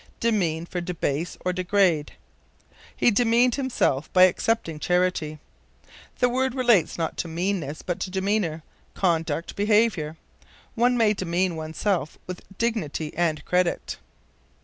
Demean for Debase or Degrade. "He demeaned himself by accepting charity." The word relates, not to meanness, but to demeanor, conduct, behavior. One may demean oneself with dignity and credit.